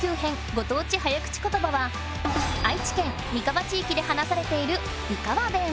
ご当地早口ことばは愛知県三河地域で話されている三河弁。